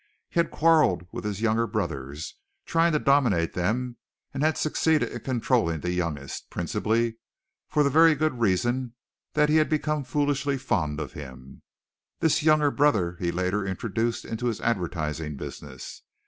He had quarreled with his younger brothers, trying to dominate them, and had succeeded in controlling the youngest, principally for the very good reason that he had become foolishly fond of him; this younger brother he later introduced into his advertising business.